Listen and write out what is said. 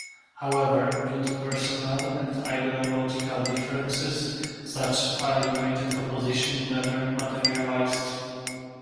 However, due to personal and ideological differences such a united opposition never materialised.